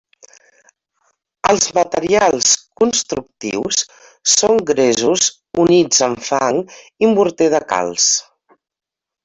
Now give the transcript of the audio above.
Els materials constructius són gresos units amb fang i morter de calç.